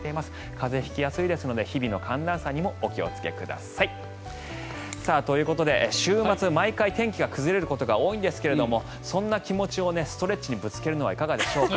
風邪引きやすいですので日々の寒暖差にもお気をつけください。ということで週末、毎回天気が崩れることが多いんですがそんな気持ちをストレッチにぶつけるのはいかがでしょうか。